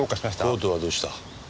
コートはどうした？